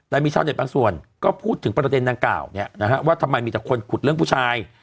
แต่มีชาวเน็ตบางส่วนก็พูดถึงประเด็นดังกล่าวว่าทำไมมีแต่คนขุดเรื่องผู้ชาย